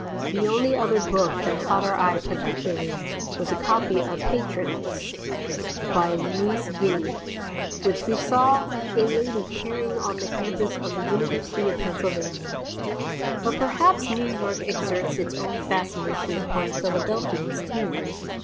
The only other book that caught our eye particularly was a copy of "Patrins," by Louise Guiney, which we saw a lady carrying on the campus of the University of Pennsylvania. But perhaps New York exerts its own fascination upon Philadelphians, too.